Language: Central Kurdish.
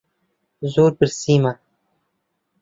زۆر برسیمە.